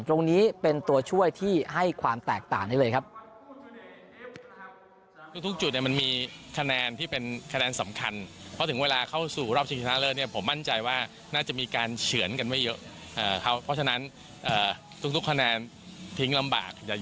ตรงนี้เป็นตัวช่วยที่ให้ความแตกต่างได้เลยครับ